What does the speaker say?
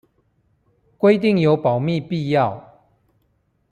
規定有保密必要